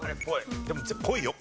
でも「っぽい」よ。